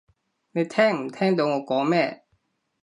你聽唔聽到我講咩？